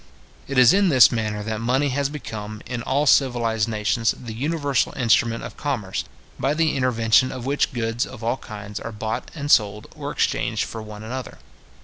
It is in this manner that money has become, in all civilized nations, the universal instrument of commerce, by the intervention of which goods of all kinds are bought and sold, or exchanged for one another.